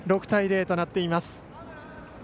６対０となっています。